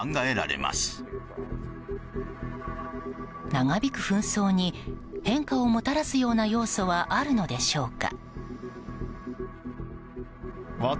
長引く紛争に変化をもたらすような要素はあるのでしょうか。